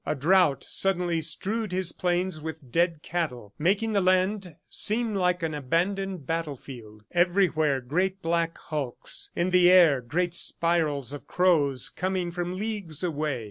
A drought suddenly strewed his plains with dead cattle, making the land seem like an abandoned battlefield. Everywhere great black hulks. In the air, great spirals of crows coming from leagues away.